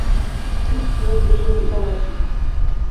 Nikt z nas nie żyje w izolacji